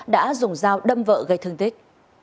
đã dùng dao đâm vợ gây thương tích